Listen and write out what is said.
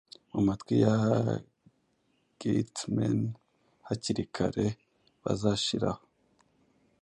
Mu matwi ya Geatmen hakiri kare bazashiraho